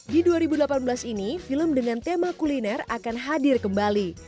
di dua ribu delapan belas ini film dengan tema kuliner akan hadir kembali